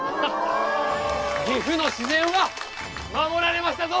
岐阜の自然は守られましたぞ！